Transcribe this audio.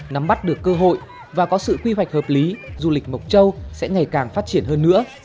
nắm bắt được cơ hội và có sự quy hoạch hợp lý du lịch mộc châu sẽ ngày càng phát triển hơn nữa